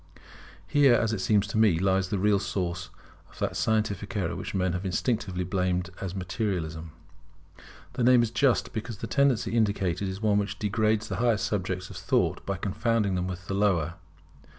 Here, as it seems to me, lies the real source of that scientific error which men have instinctively blamed as materialism. The name is just, because the tendency indicated is one which degrades the higher subjects of thought by confounding them with the lower.